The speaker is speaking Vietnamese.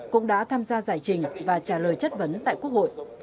cũng đã tham gia giải trình và trả lời chất vấn tại quốc hội